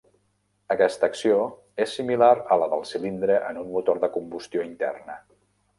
Aquesta acció és similar a la del cilindre en un motor de combustió interna.